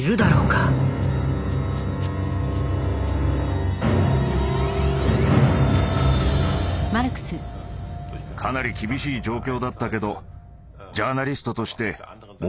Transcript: かなり厳しい状況だったけどジャーナリストとして燃えてきたんだ。